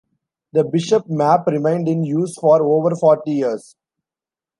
The Bishop map remained in use for over forty years.